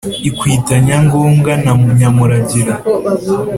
ikwita nyangoma na nyamuragira